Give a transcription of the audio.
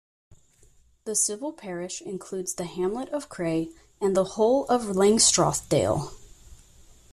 The civil parish includes the hamlet of Cray and the whole of Langstrothdale.